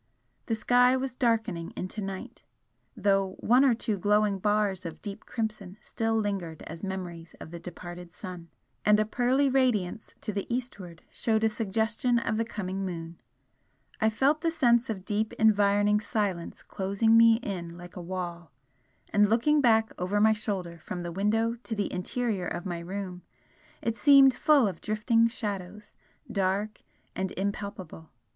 The sky was darkening into night, though one or two glowing bars of deep crimson still lingered as memories of the departed sun and a pearly radiance to the eastward showed a suggestion of the coming moon. I felt the sense of deep environing silence closing me in like a wall and looking back over my shoulder from the window to the interior of my room it seemed full of drifting shadows, dark and impalpable.